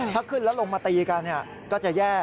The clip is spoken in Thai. ถ้าขึ้นแล้วลงมาตีกันก็จะแย่